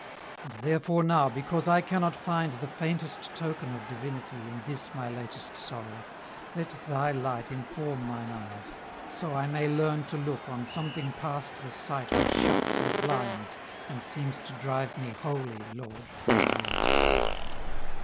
And therefore, now, because I cannot find The faintest token of Divinity In this my latest sorrow, let Thy light Inform mine eyes, so I may learn to look On something past the sight which shuts and blinds And seems to drive me wholly, Lord, from Thee."